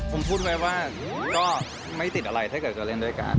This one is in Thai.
ผมพูดไว้ว่าก็ไม่ติดอะไรถ้าเกิดจะเล่นด้วยกัน